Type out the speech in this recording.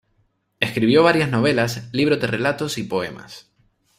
Escribió varias novelas, libros de relatos y poemas.